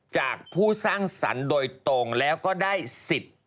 จากผู้สร้างสรรค์โดยตรงแล้วก็ได้สิทธิ์